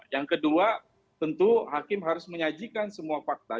yang kedua tentu hakim harus menyajikan semua fakta